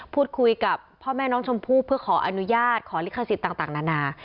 พูดคุยกับพ่อแม่น้องชมพู่เพื่อขออนุญาตขอลิขสิทธิ์ต่างนานา